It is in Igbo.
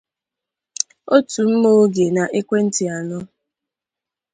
otu mma ògè na ekwentị anọ.